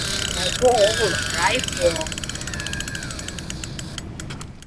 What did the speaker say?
— Райпо огыл, райфо.